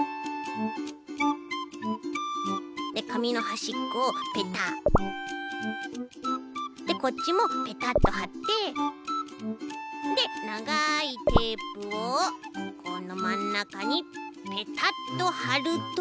でかみのはしっこをペタッ！でこっちもペタッとはってでながいテープをこのまんなかにペタッとはると。